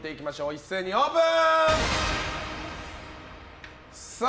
一斉にオープン。